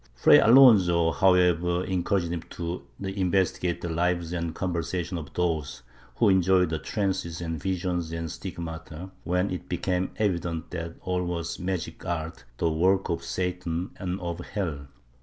Fray Alonso however encouraged him to investigate the lives and^ conversation of those who enjoyed trances and visions and the stigmata, when it became evident that all was magic art, the work of Satan and of hell.